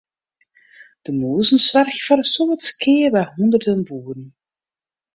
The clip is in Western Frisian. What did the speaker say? De mûzen soargje foar in soad skea by hûnderten boeren.